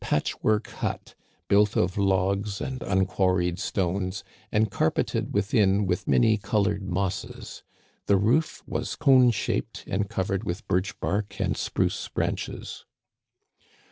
It was a sort of patchwork hut, built of logs and unquarried stones, and carpeted within with many colored mosses. The roof was cone shaped and covered with birch bark and spruce branches.